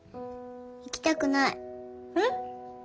行きたくない。え？